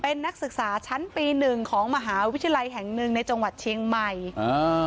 เป็นนักศึกษาชั้นปีหนึ่งของมหาวิทยาลัยแห่งหนึ่งในจังหวัดเชียงใหม่อ่า